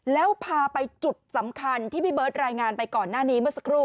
แล้วพาไปจุดสำคัญที่พี่เบิร์ตรายงานไปก่อนหน้านี้เมื่อสักครู่